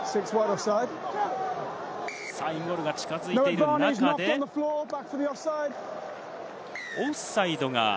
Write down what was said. ゴールが近づいている中で、オフサイドが。